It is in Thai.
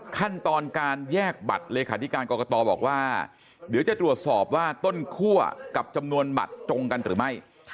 ขั้นตอนการแยกบัตรเลขาธิการกรกตบอกว่าเดี๋ยวจะตรวจสอบว่าต้นคั่วกับจำนวนบัตรตรงกันหรือไม่